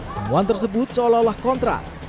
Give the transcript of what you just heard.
temuan tersebut seolah olah kontras